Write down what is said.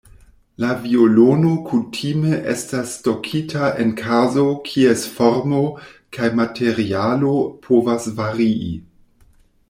La violono kutime estas stokita en kazo kies formo kaj materialo povas varii.